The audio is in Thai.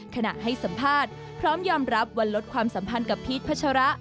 ให้สัมภาษณ์พร้อมยอมรับวันลดความสัมพันธ์กับพีชพัชระ